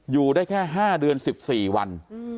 อยู่ได้แค่๕เดือน๑๔วัน